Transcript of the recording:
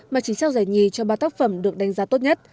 mà chính sau giải nhì cho ba tác phẩm được đánh giá tốt nhất